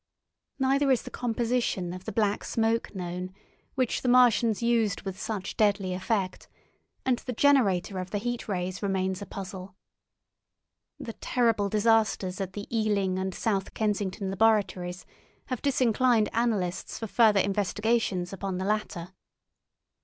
Neither is the composition of the Black Smoke known, which the Martians used with such deadly effect, and the generator of the Heat Rays remains a puzzle. The terrible disasters at the Ealing and South Kensington laboratories have disinclined analysts for further investigations upon the latter.